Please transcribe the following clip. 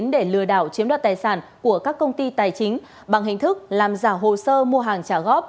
để lừa đảo chiếm đoạt tài sản của các công ty tài chính bằng hình thức làm giả hồ sơ mua hàng trả góp